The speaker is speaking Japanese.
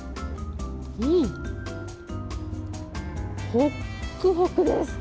ほっくほくです。